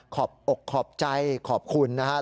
บอกขอบใจขอบคุณนะครับ